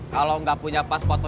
kalau nggak punya pas foto